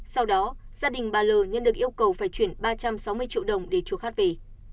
sau đó gia đình bà l nhân được yêu cầu phải chuyển ba trăm sáu mươi triệu đồng để chua khát về